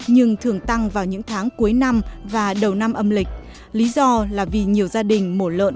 nhưng thường tăng vào những tháng cuối năm và đầu năm âm lịch lý do là vì nhiều gia đình mổ lợn